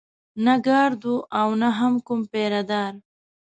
نه ګارډ و او نه هم کوم پيره دار.